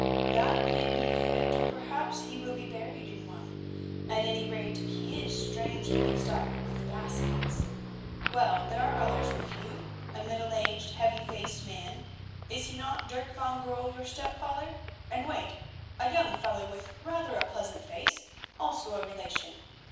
"That may be it, or perhaps he will be buried in one; at any rate he is strangely mixed up with baskets. Well, there are others with you, a middle aged, heavy faced man, is he not Dirk van Goorl, your stepfather? And—wait—a young fellow with rather a pleasant face, also a relation.